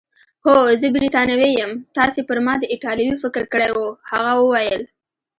هو، زه بریتانوی یم، تاسي پر ما د ایټالوي فکر کړی وو؟ هغه وویل.